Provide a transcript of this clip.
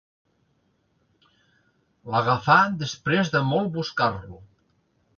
L'agafà després de molt buscar-lo.